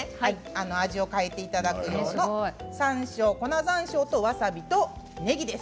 味を変えていただくような粉さんしょうとわさびとねぎです。